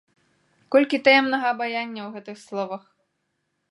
Колькі таемнага абаяння ў гэтых словах!